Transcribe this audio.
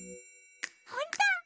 ほんと！？